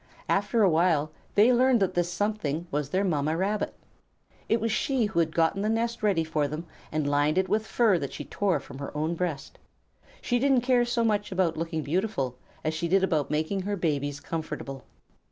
After a while they learned that this Something was their Mamma Rabbit. It was she who had gotten the nest ready for them and lined it with fur that she tore from her own breast. She didn't care so much about looking beautiful as she did about making her babies comfortable.